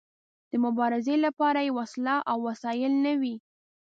د مبارزې لپاره يې وسله او وسايل نه وي.